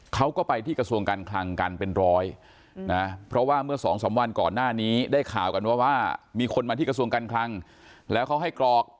เขาก็ไปที่กระทรวงการคลังกันเป็นร้อยนะเพราะว่าเมื่อสองสามวันก่อนหน้านี้ได้ข่าวกันว่าว่ามีคนมาที่กระทรวงการคลังแล้วเขาให้กรอก